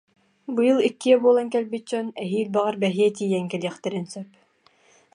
Быйыл иккиэ буолан кэлбит дьон эһиил, баҕар, бэһиэ тиийэн кэлиэхтэрин сөп